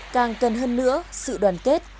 càng cần hơn nữa sự đoàn kết